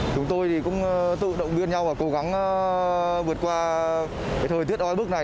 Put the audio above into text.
chúng tôi cũng tự động viên nhau và cố gắng vượt qua thời tiết oai bước này